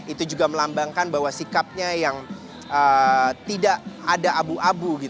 itu juga melambangkan bahwa sikapnya yang tidak ada abu abu